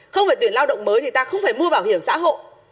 không phải tuyển lao động mới thì ta không phải mua bảo hiểm xã hội